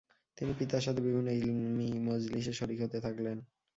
তিনি পিতার সাথে বিভিন্ন ইলমী মজলিসে শরীক হতে থাকলেন।